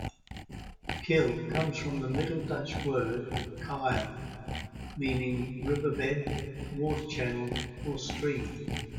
"Kill" comes from the Middle Dutch word "kille" meaning riverbed, water channel, or stream.